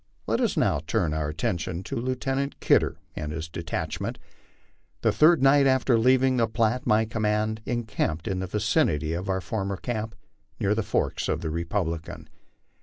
Let us now turn our attention to Lieutenant Kidder and his detachment. The third night after leaving the Platte my command encamped in the vicinity of our former camp near the forks of the Republican.